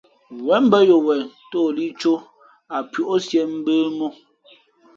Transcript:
Wěn mbᾱ yo wen tᾱ o lí cō ǎ pʉ̄ ǒ siē mbə̌ mō.